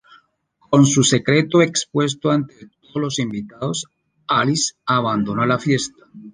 Con su secreto expuesto ante todos los invitados, Alice abandona la fiesta.